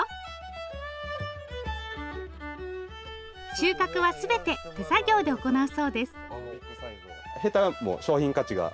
収穫は全て手作業で行うそうです。